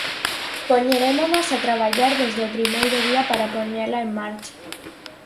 Poñerémonos a traballar desde o primeiro día para poñela en marcha.